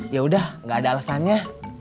ya udah enggak ada alesannya